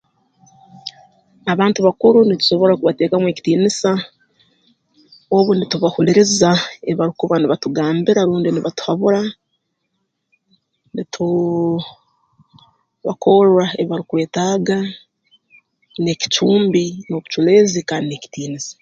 Abantu bakuru nitusobora kubateekamu ekitiinisa obu nitubahuliriza ebi barukuba nibatugambira rundi nibatuhabura nituu bakorra ebi barukwetaaga n'ekicumbi n'obuculeezi kandi n'ekitiinisa